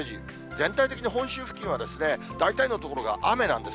全体的に本州付近は、大体の所が雨なんです。